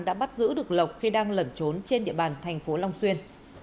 đã bắt giữ được lộc khi đang lẩn trốn trên địa bàn thành phố long xuyên